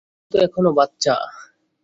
সে তো এখনও বাচ্চা।